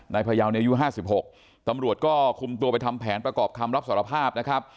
พยาวในอายุ๕๖ตำรวจก็คุมตัวไปทำแผนประกอบคำรับสารภาพนะครับ